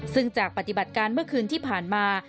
ซึ่งจากปฏิบัติการเมื่อคืนที่ผ่านมา